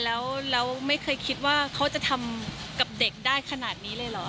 แล้วไม่เคยคิดว่าเขาจะทำกับเด็กได้ขนาดนี้เลยเหรอ